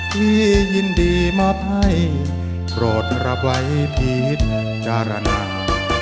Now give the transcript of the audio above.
พี่ยินดีมาไพ่โปรดรับไว้ผิดจารนา